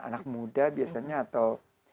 anak muda biasanya atau